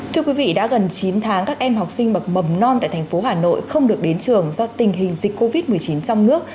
thưa quý vị đã gần chín tháng các em học sinh bậc mầm non tại thành phố hà nội không được đến trường do tình hình dịch covid một mươi chín trong nước